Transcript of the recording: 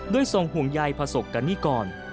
ด้วยทรงห่วงใยพระศกกณิกร